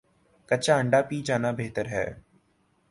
کچا انڈہ پی جانا بہتر ہے